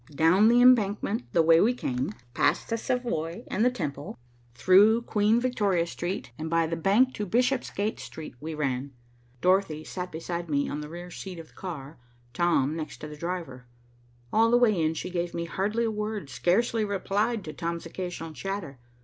Down the embankment the way we came, past the Savoy and the Temple, through Queen Victoria Street, and by the Bank to Bishopsgate Street we ran. Dorothy sat beside me on the rear seat of the car, Tom next the driver. All the way in, she gave me hardly a word, scarcely replied to Tom's occasional chatter.